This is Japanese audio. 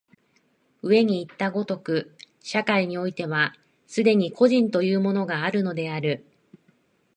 上にいった如く、社会においては既に個人というものがあるのである。